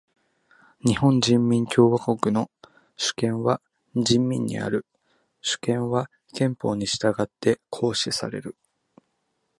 日本人民共和国の主権は人民にある。主権は憲法に則って行使される。